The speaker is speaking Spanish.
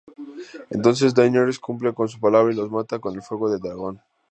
Entonces, Daenerys cumple con su palabra y los mata con el fuego de Drogon.